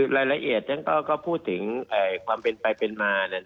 รายละเอียดท่านก็พูดถึงความเป็นไปเป็นมา